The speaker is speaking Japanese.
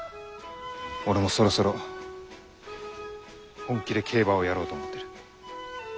俺もそろそろ本気で競馬をやろうと思ってる。